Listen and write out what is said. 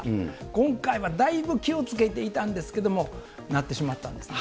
今回はだいぶ気をつけていたんですけれども、なってしまったんですね。